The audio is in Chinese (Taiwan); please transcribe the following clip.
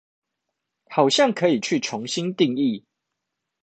好像可以去重新定義